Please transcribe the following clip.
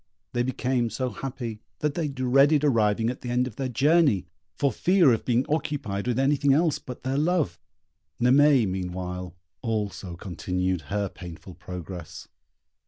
They became so happy, that they dreaded arriving at the end of their journey, for fear of being occupied with anything else but their love. Naimée, meanwhile, also continued her painful progress.